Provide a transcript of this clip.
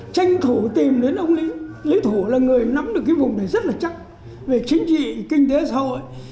tranh thủ tìm đến ông lý lý thủ là người nắm được cái vùng này rất là chắc về chính trị kinh tế sau ấy